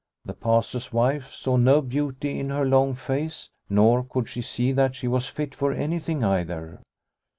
The Pastor's wife saw no beauty in her long face, nor could she see that she was fit for anything either.